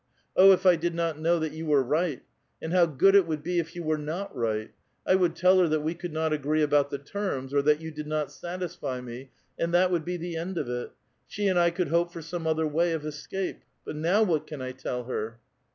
Oh, if I did not know that ymi were right ! And how good it would be if you were not right I I would tell her that we could not agree alMuit the terms, or that you did not satisfy me ! and tliat would Ik? tlie end of it; she and I could hope for some other way of escape. But now what can I tell her?"